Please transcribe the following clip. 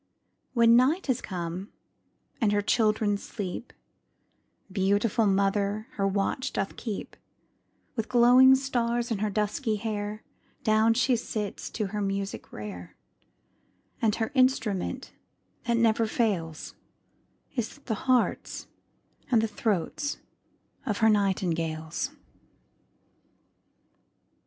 When night is come, and her children sleep, Beautiful mother her watch doth keep; With glowing stars in her dusky hair Down she sits to her music rare; And her instrument that never fails, Is the hearts and the throats of her nightingales.